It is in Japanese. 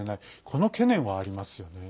この懸念はありますよね。